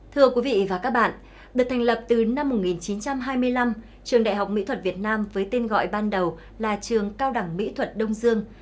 thưa quý vị và các bạn được thành lập từ năm một nghìn chín trăm hai mươi năm trường đại học mỹ thuật việt nam với tên gọi ban đầu là trường cao đẳng mỹ thuật đông dương